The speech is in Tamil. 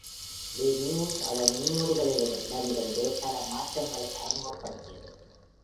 பி நியூஸ் அதன் முன்னோடிகளிடமிருந்து பல மாற்றங்களை அறிமுகப்படுத்தியது.